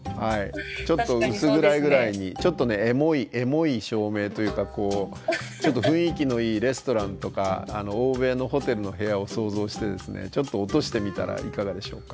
ちょっと薄暗いぐらいにちょっとねエモい照明というかちょっと雰囲気のいいレストランとか欧米のホテルの部屋を想像してですねちょっと落としてみたらいかがでしょうか。